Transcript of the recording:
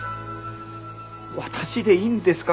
私でいいんですか？